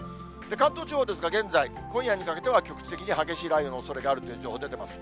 関東地方ですが、現在、今夜にかけては局地的に激しい雷雨のおそれがあるという情報出てます。